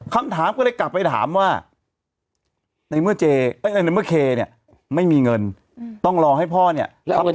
คำถามก็เลยกลับไปถามว่าในเมื่อในเมื่อเคเนี่ยไม่มีเงินต้องรอให้พ่อเนี่ย